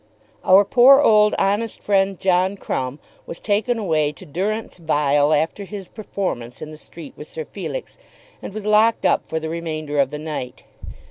Our poor old honest friend John Crumb was taken away to durance vile after his performance in the street with Sir Felix, and was locked up for the remainder of the night.